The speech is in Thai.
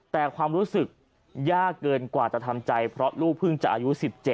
แต่ความรู้สึกยากเกินกว่าจะทำใจเพราะลูกเพิ่งจะอายุ๑๗